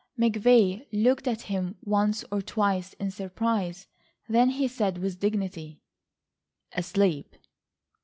McVay looked at him once or twice, in surprise. Then he said with dignity: "Asleep?